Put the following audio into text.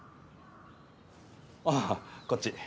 あぁこっち。